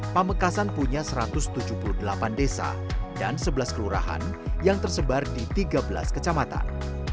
pamekasan punya satu ratus tujuh puluh delapan desa dan sebelas kelurahan yang tersebar di tiga belas kecamatan